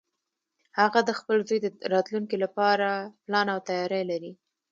هغه د خپل زوی د راتلونکې لپاره پلان او تیاری لري